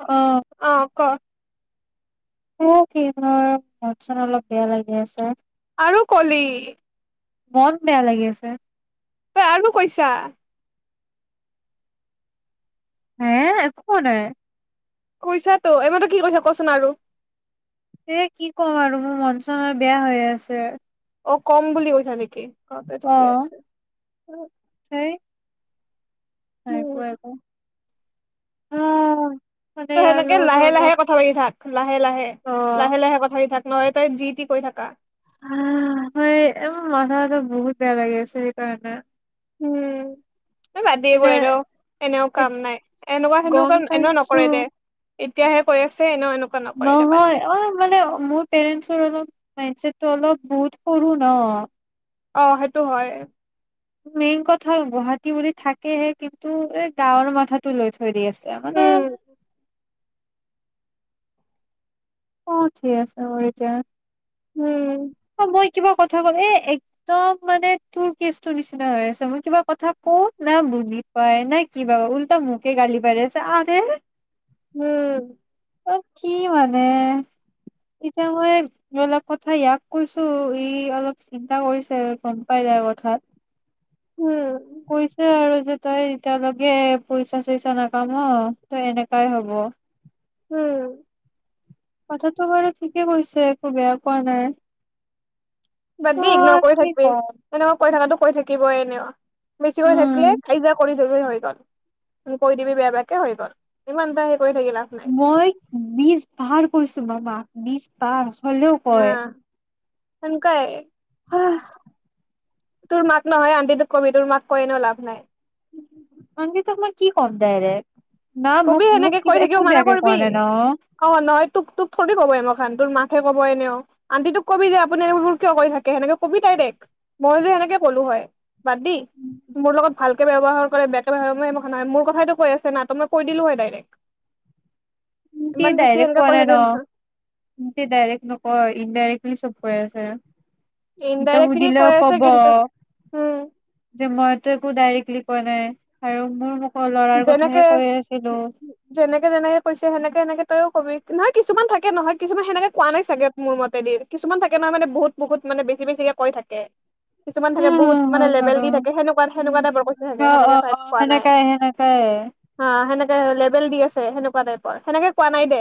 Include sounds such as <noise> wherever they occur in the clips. অ', অ' ক'। অ' কেইধৰ মন চন অলপ বেয়া লাগি আছে।। আৰু কলি। মন বেয়া লাগি আছে। তই আৰু কৈছা। হে একো কোৱা নাই।। কৈছা টো। এইমাত্ৰ কি কৈছা কোৱাচোন আৰু?। এ কি ক'ম আৰু মোৰ মন চন বেয়া হৈ আছে। অ' কম বুলি কৈছা নেকি। অ' তো ঠিকেই আছে। হয় একো উম একো। উম'। তো সেনেকে লাহে লাহে কথা পাতি থাক। লাহে লাহে, অ', লাহে লাহে কথা পাতি থাক। নহয় তই যি টি কৈ থাকা। এই মোৰ মাথাটো বহুত বেয়া লাগি আছে সেইকাৰণে। উম'। এ বাদ দি মানে এইবোৰ এনেও এনেও এ কাম নাই। এনেকুৱাত গম সেনেকোৱা এনেও পাইছো নকৰে দে। এতিয়াহে কৈ আছে এনেও এনেকুৱা নকৰে দে বাদ দে নহয় অ' মানে মোৰ পেৰেন্টছৰ অলপ। মাইনচেট টো অলপ বহুত সৰু ন'। অ' সেইটো হয়। মেইন কথা গুৱাহাটী বুলি থাকেহে কিন্তু এই গাঁৱৰ মাথাটো লৈ থৈ দি আছে। এতিয়া মানে। উম অ' ঠিক আছে হ'ব বাৰু এতিয়া। উম'। অ', মই কিবা কথা কলে এ একদম মানে তোৰ কেচটোৰ নিচিনা হৈ আছে। মই কিবা কথা কওঁ না বুজি পাই না কিবা। উল্টা মোকে গালি পাৰি আছে আৰে। উম' অ' কি মানে এ। এতিয়া মই অলপ কথা ইয়াক কৈছো ই অলপ চিন্তা কৰিছে গম পাই যাই কথাত। উম কৈছে আৰু যে। তই এতিয়ালৈকে পইচা চইচা নাপাম ন' ত এনেকাই হব। উম'। কথাটো বাৰু ঠিকে কৈছে একো বেয়া পোৱা নাই। বাদ দেই ইগন'ৰ অ' কৰি কি থাকিবি ক'ম। এনেকুৱা কৈ থকা তোক কৈ থাকিবই এনেও। বেছিকৈ উম, থাকিলে কায়জা কৰি কৰি দিবি হৈ গ'ল। কৈ দিবি বেয়া বেয়াকে হৈ গ'ল। ইমানটা সেই মই বিছ ভাৰ কৈছো বাবা বিশ পাৰ? হ'লেও কয়। সেনকোৱাই আহঃ তোৰ মাক নহয় আন্টীতোক কবি। তোৰ মাক কৈ এনেও লাভ নাই। আন্টীতোক মই কি কম দাইৰেক? কবি সেনেকে কৈ থাকিব মানা কোৱা কৰবি, নাই ন। অ নহয় তোক তোক থৰি কব <unintelligible> হনতৰ মাকহে কব এনেও, আন্তি তোক কবি যে আপুনি এইবো কিয় কৰি থাকে, সেনেকে কবি দাইৰেক্ট, মই যে এনেকে কলো হয়, বাদ দি, মোৰ লগত ভালকে ব্যৱহাৰ কৰে, বেয়াকে ব্যৱহাৰ, মই এ <unintelligible> মোৰ কথাতো কৈ আছো না, ত' মো কৈ দিলোঁ হয় ডাইৰেক্ট। ইনকে ইমান বেছি ডাইৰেক্ট এনেকে কোৱা কৈ নাই ন, থাকে নহয় ইনকে ডাইৰেক্ট নকয় ইনডাইৰেক্ট কি চব কৈ আছে। এতিয়া ইনডাইৰেক্টলি কৈ সুধিলেও আছে কব, কিন্তু উম যে মইতো একো ডাইৰেক্টলি পোৱা নাই, আৰু মোৰ মোক যেনেকে, যেনেকে-যেনেকে কৈছে সেনেক তেনেকে তয়ো কবি, নহয় কিছুমান থাকে নহয়, কিছুমান সেনেকে কোৱা নাই চাগে মোৰ মতে দি, কিছুমান থাকে নহয় মানে বহুত-বহুত মানে বেছি বেছিকে কৈ থাকে। কিছুমান থাকে বহুত উম, মানে হয় লেবেল দি বাৰু। থাকে, সেকুৱা উম, সেনেকুৱা টাইপৰ কৈছে অ', ছাগে, সেনেকে অ', টাইপ অ', কোৱা নাই। সেনেকাই সেনেকাই। অ, হেনেকে হলে বেল দি আছে, হেনেকুৱা টাইপৰ হেনেকে কোৱা নাই দে।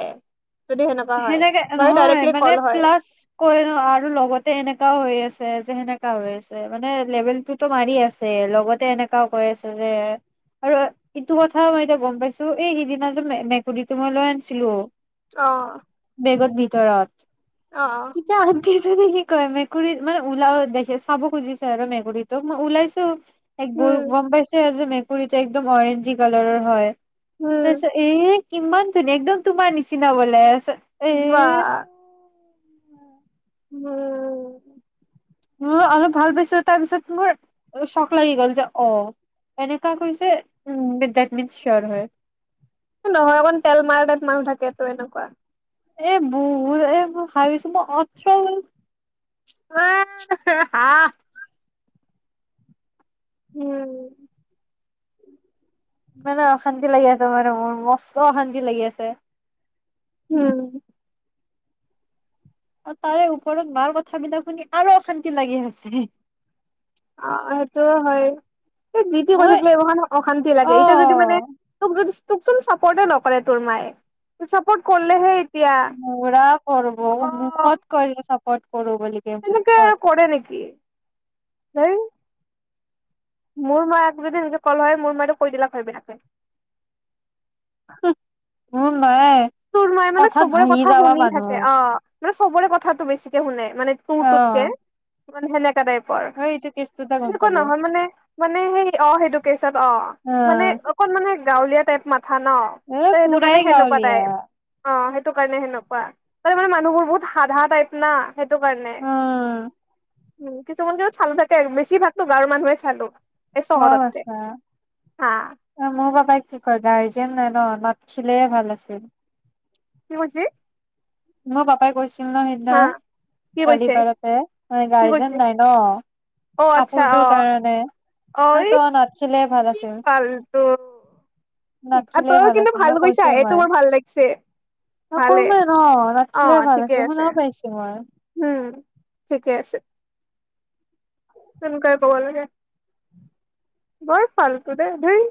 যদি সেনেকুৱা হয় হেনেকে নহয়, ডাইৰেক্টলি মানে কল হয় প্লাচ কৈ ন আৰু লগতে এনেকাও হৈ আছ তে যে সেনেকা হৈ আছে, মানে লেবেল টোতো মাৰি আছে, লগতে এনেকাও কৈ আছে যে, আৰু ইটো কথা মই এতিয়া গম পাইছো এই সিদিনা যে মে মেকুৰীটো মই লৈ আনছিলো অ বেগত ভিতৰত অ <unintelligible> কি কয়, মেকুৰী মানে ওলাও দেখে, চাব খুজিছে আৰু মেকুৰীটোক মই ওলাইছো এক বোৰ উম গম পাইছে যে মেক কুৰীটো একদম অৰেঞ্জি কালাৰৰ হয়। তছ উম এই কিমান ধুনী, একদম তোমাৰ নিচিনা বলাই আছে। বাহ মা উ অলপ ভাল পাইছো তাৰপিছত মোৰ চক লাগি গল যে অ, এনেকা কৈছে, উম দেত মিনচ চিয়ৰ হয়। নহয়, অকন তেল মাৰা তাইত মানুহ থাকেটো, এনেকুৱা। এই বহুত, এ মোৰ শাৰি <unintelligible> আ হা হা। উম। মানে অশান্তি লাগি আছে মানে মোৰ, মস্ত অশান্তি লাগি আছে। উম। আৰু তাৰে ওপৰত মাৰ কথাবিলাক শুনি আৰু অশান্তি লাগি আছে। অ সেইটো হয়, এই যি টি মই কথাক লৈ এইমাখান অশান্তি লাগে, ইতা যদি মানে অ তোক যদি তোকচোন চাপোৰ্টে নকৰে তোৰ মায়ে। চাপৰ্ট কৰিলেহে এতিয়া, পুৰা কৰব অ। মুখত <unintelligible> কৰো গলিকে তেনেকে আৰু <unintelligible> কৰে নেকি? <inaudible> মোৰ মাক যদি নিজে কল হয় মোৰ মটো কৈ দিলাক হৈ বেয়াকৈ উ তোৰ মাৰে মানে চবৰে কথা শুনি থাকে মানুহ অ, ম খবৰে কথাটো বেছিকেু শুনে। মানে অ তোৰটোতকে মানে হেনেকা তাইপ এই এইটো কেচটোতে গম তেনেকুৱা পালি নহয় মানে, মানে সেই অ সেইটোোকচত অ মানে অকণ মানে গাঁওীয়া টাই ম কথা ন ত সেইটো কাৰণে পুৰাই সেনেকুৱা গাঁৱলীয়া টাইপ। অ সেইটো কাৰণে সেনেকুৱা তাৰ মানে মানুহবোৰ বহুত সাধা টাইপ না। সেইটো কাৰণে। উম উ কিছুমান যদি চালু থাকে বছি ভাকতো বাৰ মানুহে চালো। এই অ চহৰতকে বছা হা অ মবাবা কি কৈ ৰ্গাৰজিয়েন ন নাথকিলে ভাল আছিল। কি কৈছি? মই পাপাই কৈছে। ন সেইদিনা কি গালি কৈছে পাৰতে মানে কি কৈছে গাৰ্জেন নাই ন কাপোৰটোৰ কাৰণে। ঐ চ নাথখিলে ভাল কি আছিল ফালতো নাথখিলে তইও কিন্তু আছিল ভাল মই কৈছা কৈছোৱে সেইটো মই মোৰ ভাল লাগিছে ভালে অ নাটখিলে ভাল ঠিকে আছিল আছে শুনাও পাইছো মই উম ঠিকে আছে। তেনেকুৱাই কব লাগে বৰ ফালতো দেই ধেই।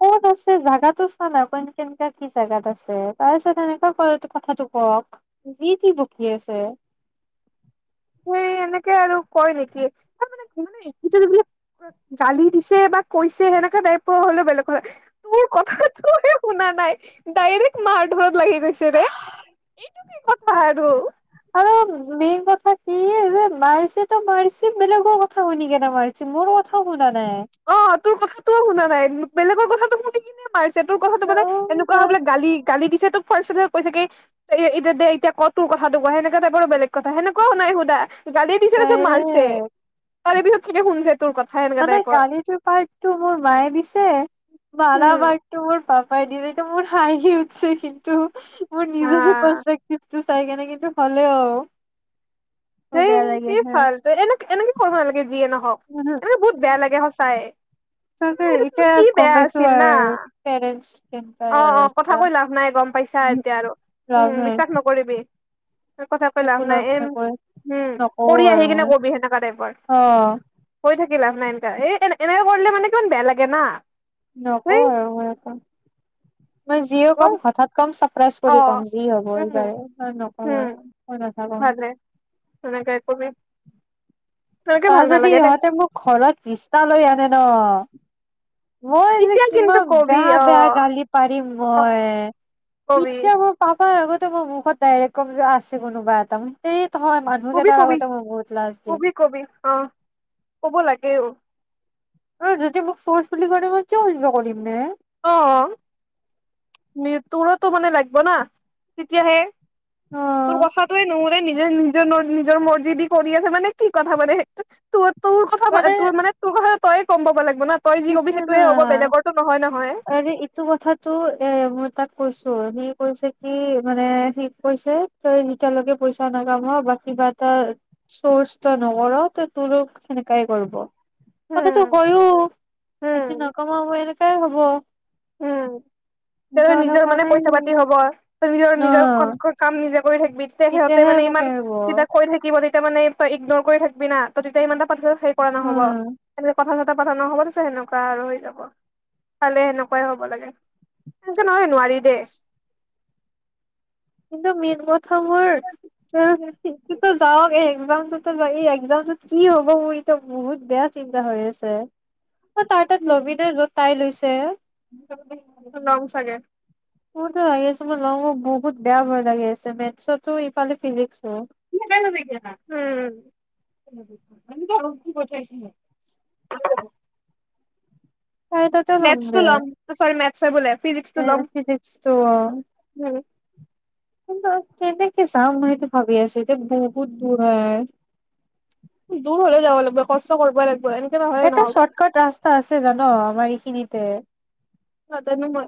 ক'ত আছে জেগাতটো চানা কেনেকা কি জেগাত আছে তাৰপিছত এনেকুৱা ক কথাটো কওক যি তি বকি আছে। সেই এনেকে আৰু কয় নেকি, তোনে জানি দিছে বা কৈছে সেনেকাে টাইপৰ হলোও বেলেগ কথা তোৰ কথাটো শুনা নাই ডাইৰেক্ট মাৰ ধৰত লাগি গৈছে ৰে এইতো কি কথা? পাহাৰো আৰু মেইন কথা কি যে মাৰিছে তো মাৰিছে বেলেগৰ কথা শুনি কেনে মাৰিছে মোৰো কথা শুনি অ', তোৰ কথাতো শুনা নাই বেলেগৰ কথাটো শুনিকিনে পাৰিছে তোৰ কথাটো মানে অ এনেকুৱা বোলে গালি - গালি দিছে তো ফাৰ্ষ কৈছে কি এ', এতিয়া দে এতিয়া ক', তোৰ কথাটো কোৱা সেনেকা টাইপৰো বেলেগ কথা সেনেকুৱাও নাই সুধা। জালি দিছে তাৰপিছত মাৰছে। ডাইৰেক্ট তালে বিহুত চাগে হুঞ্জে তোৰ কথাই এনেকা টাইপৰ। সিটো পাৰটো মোৰ মায়ে দিছে, মাৰা উম পাৰটো মোৰ পা হয় দিদি এইটো মোৰ হাইি উঠছে কিন্তু। মোৰ নিজৰে হা প্ৰস্পেক্টিভ। ত', চাই কেনে কিন্তু ভালে অ', হেই ', কি ফাল্টু এনেক - এনেকে কৰিব নালাগে যিয়ে ন। হহ', এনেকে বহুত বেয়া লাগে সচাই। হেয়', তাকেই ইতিয়া গম পাইছো আৰু পেৰেণ্টছ কেইটাই অ আৰু অ কথা এটা কৈ লাভ নাই গম পাইছা হম', এতিয়া আৰু লাভ নাই। কথাকৈ লাভ একো নাই এন নকৰে উম ', নকওঁ কৰি আৰু আহি কিনে মই কবি সেনেকা টাইপৰ অ কৈ থাকি লাভ নাই এনকা, এ -এনে কৰিলে মানে কিমান বেয়া লাগে না। ধেই নকওঁ আৰু মই একো মই যিয়ে অ ক'ম হঠাৎ ক'ম চাপ ৰাইজ কৰি ক'ম যি হয় হ'ব উম আৰু নকওঁ উম আৰু। ভালে সেনেকে কবি সেনেকে অ ভাল যদি নালাগে দে ইহঁতে মোক ঘৰত ৰিষ্টা লৈ আনে ন। মই যে তেতিয়া কিন্তু কিমান কবি বেয়া অ বেয়া গালি পাৰিম অ মই। কবি এতিয়া মই পা তাৰ আগতে মই মুখত ডাইৰেক্ট ক'ম যা, আছে কোনোবা এটা ম কবি কবি দিম কবি কবি অ কব লাগে অ, অ যদি মোক ফৰ্চ বুলি কয়। মই কিয় সেনকা কৰিম নে অ অ তোৰতো মানে লাগিব না, তেতিয়াহে তোৰ অ', কথাটোয়ে নোহো- নিজেই নিজৰ নিজৰ মৰজিদি কৰি আছে মানে, কি কথা মানে তোৰ। তোৰ কথা তোৰ মানে তোৰ কথা। তয়ে কম পাব লাগে। মানে তই যি কবি সেইটো না সেইটোয়ে হ'ব বেলেগৰটো নহয় নহয়। আৰে এইটো কথাটো এ মই তাক কৈছোঁ, সি কৈছে কি মানে সি কৈছে তই যেতিয়ালৈকে পইচা নাকাম বা কিবা এটা চৰ্চ তই নকৰ ত তোক সেনেকাই কৰিব। কথাটো উম হয়ো। কেতি উম নকওঁ মই। তেনেকাই হ'ব। উম তে মিছা কথা নিজৰ কোৱা মানে নাই পইচা পাতি হব। ত নিজৰ সি নিজৰ ন কাম নিজে কৰি থাকিবি তেতিয়া সিহঁতে তেতিয়াহে মানে মোক ইমান এৰিব চিন্তা কৰি থাকিব নে। তেতিয়া মানে তই ইগনৰ কৰি থাকবিনা ত তেতিয়া ইমান এটা হেই কৰা নহ'ব। উম এনে কথা ক পথা নহ'ব দেছে এনেকুৱা আৰু হৈ যাব খালে সেনেকুৱা। হব লাগে, সনেকে নহলে নোৱাৰি দেই। কিন্তু মি মই <unintelligible> যাওঁক এই একজামটোতু <unintelligible> এইটোত কি হ'ব মোৰ এতিয়া বহুত বেয়া চিন্তা হৈ আছে। তই তাৰ তাত ল'বি নে য'ত তাই লৈছে। ল'ম চাগে। মোৰতো লাগি আছে মই লওঁ, মোৰ বহুত বেয়া ভয় লাগি আছে মেথছ তু ইফালে ফিজিক্স। <unintelligible> উম। <inaudible> তাই মেথছটো ল'ম অহ ', সৰি মেথ। চে বোলে। ফিজিক্সটো হেই ল'ম ফিজিক্সটো ল'ম। উম, কিন্তু, কেনেকে যাম মই সেইটো ভাবি আছো এতিয়া বহুত দূৰ হয়। দূৰ হ'লেও যাব লাগব কষ্ট কৰ্বই লাগব আৰু। এটা শ্বৰ্টকাট ৰাস্তা আছে জান, আমাৰ এইখিনিত। তে', নাজানো মই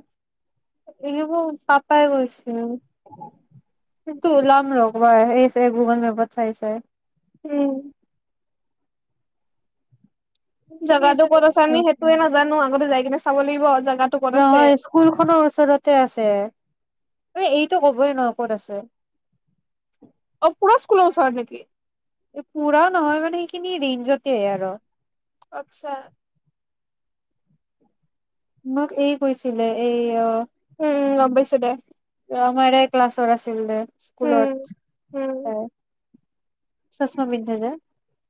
এইবোৰ পাপ। পাইগছ। <inaudible> কিন্তু ওলাম ৰ' এই গুগল মেপত চাই চাই। উম। জাগাতো ক'ত আছে, অমি সেইটোৱে নাজানো! আগতে যাই কিনে চাব লাগিব জাগাটো ক'ত আছে নহয় স্কুল খনৰ ওচৰতে আছে। এইটো কবই নোৱাৰোঁ ক'ত আছে? অ পোৰা স্কুলৰ ওচৰত নেকি? পোৰা নহয় মানে সেইখিনিৰে। যতিয়াই আৰু। আটছা। মোক এই কৈছিলে এই অ উম, গম পাইছোঁ দে। আমাৰে ক্লাছৰ আছিল দে। উম স্কুলত উম অ চস্মা পিন্ধে যে।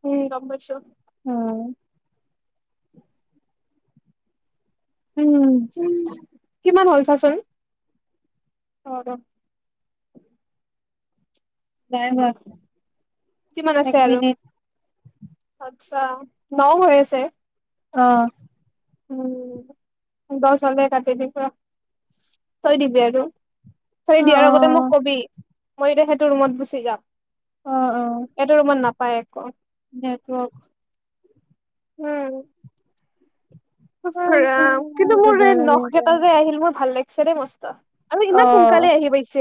উম, গম পাইছোঁ। উম উম। কিমান হ'ল চাচোন। হ', দম নাই হোৱা। কিমান এক আছে আৰু। মিনিট আচ্ছা ন', হৈ আছে। অহ ', উম', দস হলে কাটি দি। পৰা তই দিবি আৰু তই অ অ দিয়াৰ আগতে মোক কবি। মই এতিয়া হেঁটো ৰুমত গুচি যাম। অ অ এটো ৰুমত নাপ পায় একো নেটৱৰ্ক উম ওফ ৰাম কিন্তু মোৰ নখ কেইটা যে আহিল মোৰ ভাল লাগিল চাৰে মস্ত আৰু অ ইমান সোনকালে আহি পাইছে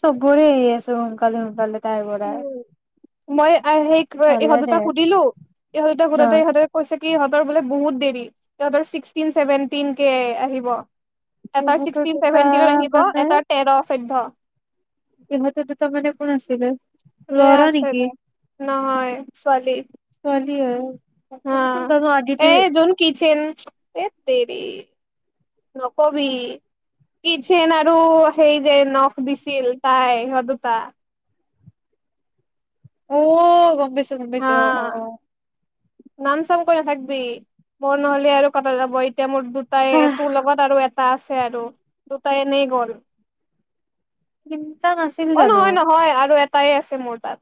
সবৰে এই আছে অ কালে গালে উ মই সেই ভালে ইহঁত দে দুটা সুধিলো ইহঁত দুটা ন সোধোতে ইহঁতে কৈছে কি ইহঁত তৰ বোলে বহুত দেৰি তহঁতৰ ছিক্সটিন চেভেনটিন কেে আহিব এটাৰ ইহঁতৰ ছিক্সটিন দুটা চেভেনটিনত আহিব এটাৰ তেৰ চৈধ্য ইহঁত দুটা মানে কোন আছিলে এ ল'ৰা আছে নেকি দে নহয় ছোৱালী কি এ হা এ যোন কিচেন হেত তেৰি নকবি কিচেন আৰু সেই যে নখ দিছিল তাই সিহত দুটা ঔ গম পাইছো ইছো গম হা পাইছো অ অ অ নাম চাম কৈ নাথাকিবি মোৰ নহলে আৰু কটা যাব এই এয়া মোৰ দুটাই হাহ তোৰ লগত আৰু টা আছে আৰু দুটাই এনেই গ'ল উম অ নহয় নহয় আৰু এ টাই আছে মোৰ তাত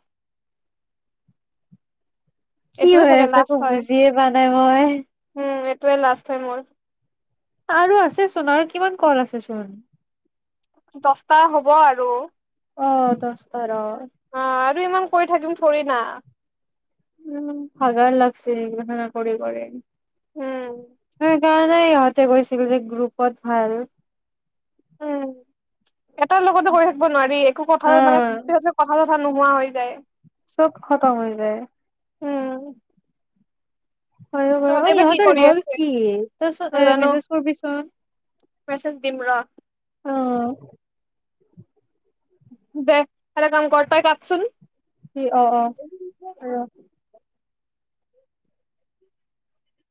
কি এইটোয়ে হৈ চাগে আছে আ লাষ্ট একৌ হয় বুজিয়ে পোৱা নাই মই এইটোৱৈ লাষ্ট হয় মোৰ আৰু আছেচোন আৰু কিমান কল আছে চোন দছটা হব আৰু অ দছ তাৰ অ অ' ইমান কৰি থাকিম থৰি না' উম ভাগাৰ লাগছে এইগেলা কৰি কৰি উম হো কোৱা নাই ইহঁতে গৈছিল যে গ্ৰু'পত ভালহে উম এটাৰ লগতো কৰি থাক্ প নোৱাৰি এ কব ধৰে মানে অ সিহঁতৰ কথাবো কথা নোহোৱা হৈ যায়। চব খতম হৈ যায়। উম হয়ো বাৰু তহঁতে বা কি সিহঁতেৰ কৰি হ'ল আছে কি তই চ এ নাজানো মেছেজ কৰিবিচোন। মেছেজ দিম ৰ অ' দে' ফালে কাম ক'ৰ তই কাটচোন। কি অ', অ', ৰ